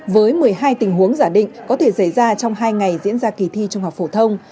với một mươi hai tình huống giả định có thể xảy ra trong hai ngày diễn ra kỳ thi trung học phổ thông